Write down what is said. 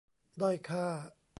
ด้อยค่า